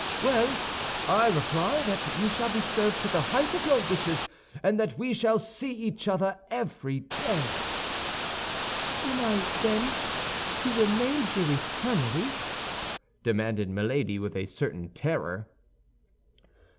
"Well, I reply that you shall be served to the height of your wishes, and that we shall see each other every day." "Am I, then, to remain here eternally?" demanded Milady, with a certain terror.